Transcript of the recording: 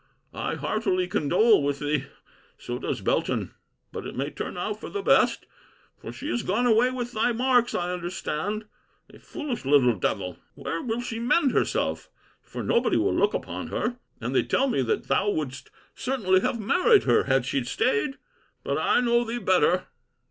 I heartily condole with thee: so does Belton. But it may turn out for the best: for she is gone away with thy marks, I understand. A foolish little devill! Where will she mend herself? for nobody will look upon her. And they tell me that thou wouldst certainly have married her, had she staid. But I know thee better.